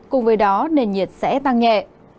cùng với đó nền nhiệt sẽ tăng nhẹ